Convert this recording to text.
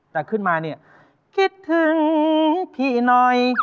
แต่ขึ้นมาเนี่ยคิดถึงพี่หน่อย